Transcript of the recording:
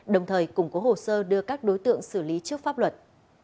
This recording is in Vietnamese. đồng thời củng cố hồ sơ đưa các đối tượng xử lý trước pháp luật